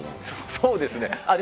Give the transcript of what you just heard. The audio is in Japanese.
そうですね。